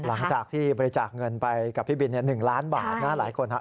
หลังจากที่บริจาคเงินไปกับพี่บิน๑ล้านบาทนะหลายคนฮะ